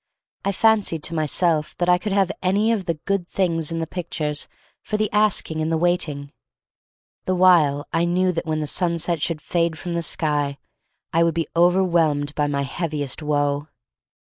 I fancied to myself that I could have any of the good things in the pictures for the asking and the waiting. The while I knew that when the sunset should fade from the sky I would be overwhelmed by my heaviest woe.